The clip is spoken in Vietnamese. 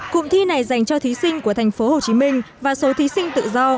cụm thi này dành cho thí sinh của thành phố hồ chí minh và số thí sinh tự do